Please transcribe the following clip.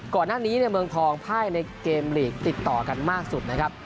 ก่อนหน้านี้เนี่ยเมืองทองพ่ายในเกมลีกติดต่อกันมากสุดนะครับ